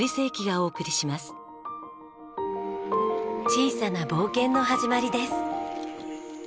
小さな冒険の始まりです。